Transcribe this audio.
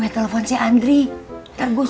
wea nya dibaca tapi gak dibales